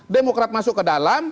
demokrat masuk ke dalam